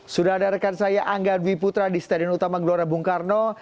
sudah ada rekan saya angga dwi putra di stadion utama gelora bung karno